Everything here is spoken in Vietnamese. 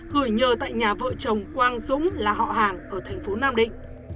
gửi nhờ tại nhà vợ chồng quang dũng là họ hàng ở thành phố nam định